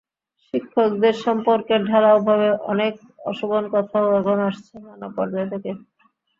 শিক্ষকদের সম্পর্কে ঢালাওভাবে অনেক অশোভন কথাও এখন আসছে নানা পর্যায় থেকে।